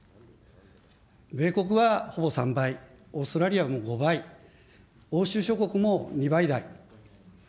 米国はほぼ３倍、オーストラリアは５倍、欧州諸国も２倍台。